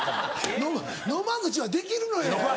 野間口はできるのよ。